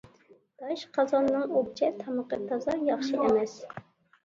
داش قازاننىڭ ئوپچە تامىقى تازا ياخشى ئەمەس.